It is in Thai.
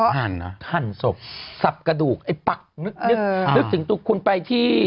หั่นนะหั่นศพสับกระดูกไอ้ปักนึกนึกถึงตัวคุณไปที่